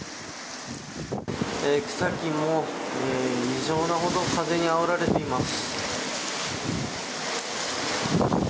草木も異常なほど風にあおられています。